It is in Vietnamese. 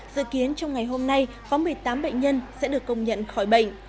dự kiến trong ngày hôm nay có một mươi tám bệnh nhân sẽ được công nhận khỏi bệnh